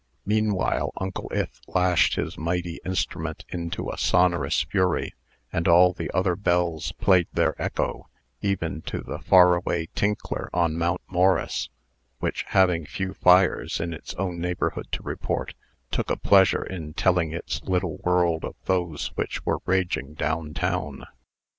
Meanwhile, Uncle Ith lashed his mighty instrument into a sonorous fury; and all the other bells played their echo, even to the far away tinkler on Mount Morris, which, having few fires in its own neighborhood to report, took a pleasure in telling its little world of those which were raging down town.